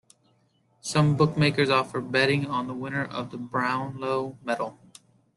Some bookmakers offer betting on the winner of the Brownlow Medal.